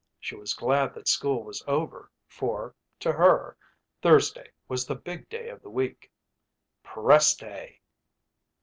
She was glad that school was over for, to her, Thursday was the big day of the week. Press day!